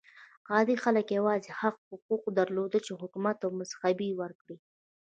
عادي خلک یوازې هغه حقوق درلودل چې حکومت او مذهب یې ورکړي.